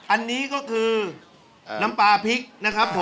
อันนี้ก็คือน้ำปลาพริกนะครับผม